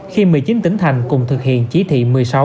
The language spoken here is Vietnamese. khi một mươi chín tỉnh thành cùng thực hiện chỉ thị một mươi sáu